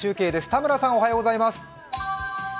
田村さん、おはようございます。